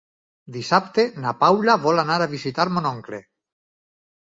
Dissabte na Paula vol anar a visitar mon oncle.